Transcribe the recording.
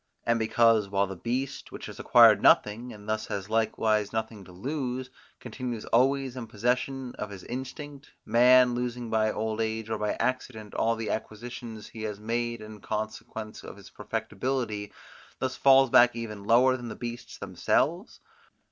And because, while the beast, which has acquired nothing and has likewise nothing to lose, continues always in possession of his instinct, man, losing by old age, or by accident, all the acquisitions he had made in consequence of his perfectibility, thus falls back even lower than beasts themselves?